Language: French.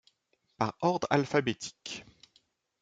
Par ordre alphabétique.